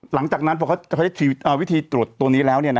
หลังจากนั้นพอเขาใช้วิธีตรวจตัวนี้แล้ว